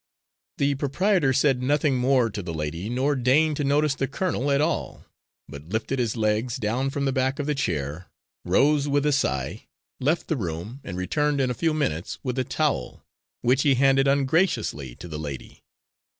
The proprietor said nothing more to the lady, nor deigned to notice the colonel at all, but lifted his legs down from the back of the chair, rose with a sigh, left the room and returned in a few minutes with a towel, which he handed ungraciously to the lady.